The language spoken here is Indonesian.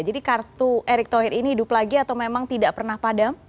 jadi kartu erick thohir ini hidup lagi atau memang tidak pernah padam